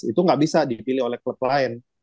itu nggak bisa dipilih oleh klub lain